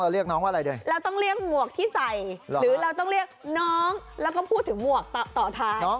เราไม่รู้จักชื่อน้อง